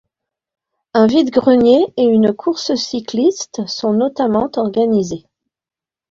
Un vide-greniers et une course cycliste sont notamment organisés.